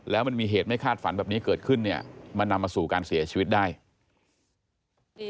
แล้วมันมีเหตุไม่คาดฝันแบบนี้เกิดขึ้นเนี่ยมันนำมาสู่การเสียชีวิตได้